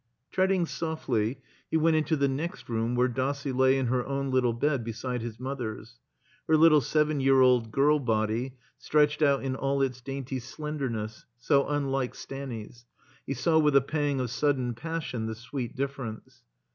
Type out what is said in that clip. Treading softly, he went into the next room where Dossie lay in her own little bed beside his mother's, her little seven year old girl body stretched out in all its dainty slendemess (so unlike Stanny's. He saw with a pang of sudden passion the sweet differ ence).